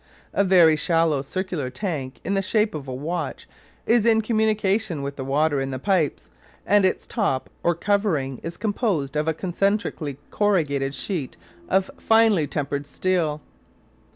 A very shallow circular tank in the shape of a watch is in communication with the water in the pipes, and its top or covering is composed of a concentrically corrugated sheet of finely tempered steel.